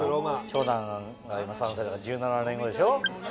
長男が今３歳だから１７年後でしょ？